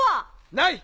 ない！